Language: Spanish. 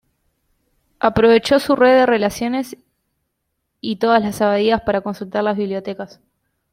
Aprovechó su red de relaciones y todas las abadías para consultar las bibliotecas.